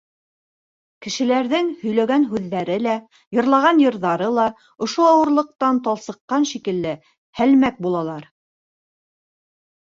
Кешеләрҙең һөйләгән һүҙҙәре лә, йырлаған йырҙары ла ошо ауырлыҡтан талсыҡҡан шикелле һәлмәк булалар.